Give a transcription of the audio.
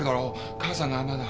母さんがまだ。